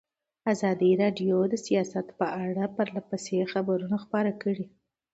ازادي راډیو د سیاست په اړه پرله پسې خبرونه خپاره کړي.